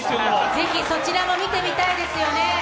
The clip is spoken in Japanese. ぜひそちらも見てみたいですよね。